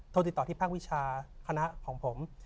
โทรติดต่อที่ภาควิชาคณะของผม